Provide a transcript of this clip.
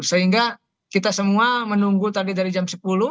sehingga kita semua menunggu tadi dari jam sepuluh